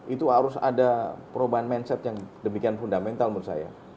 itu harus ada perubahan mindset yang demikian fundamental menurut saya